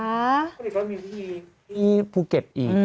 อันนี้ก็มีที่รูปพูเก็ตอีก